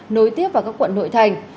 đối tiếp vào các quận nội thành